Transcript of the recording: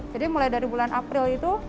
jadi mulai dari bulan april itu